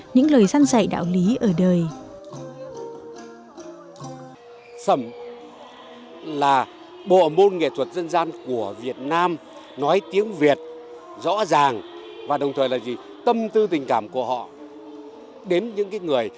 những lời gian dạy đạo lý ở đời